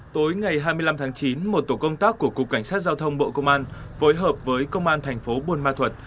tối ngày hai mươi năm tháng chín một tổ công tác của cục cảnh sát giao thông bộ công an phối hợp với công an thành phố buôn ma thuật